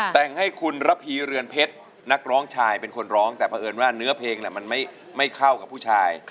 แต่งให้คุณระพีเรือนเพชรนักร้องชายเป็นคนร้องแต่เพราะเอิญว่าเนื้อเพลงมันไม่เข้ากับผู้ชาย